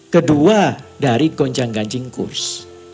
kedua dari goncang gancing kurs